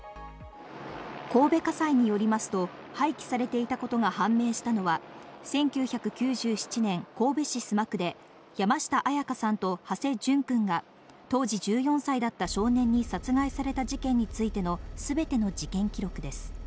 神戸家裁によりますと、廃棄されていたことが判明したのは１９９７年、神戸市須磨区で山下彩花さんと土師淳君が当時１４歳だった少年に殺害された事件についての全ての事件記録です。